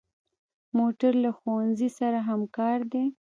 موټر له ښوونځي سره همکار دی.